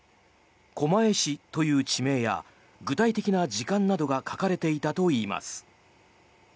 狛江市という地名や具体的な時間などが書かれていたといいます。